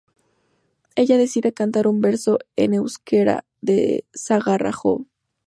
Ella decide cantar un verso en euskera de "Sagarra jo!